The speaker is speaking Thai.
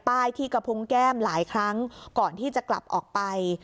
ที่กระพุงแก้มหลายครั้งก่อนที่จะกลับออกไป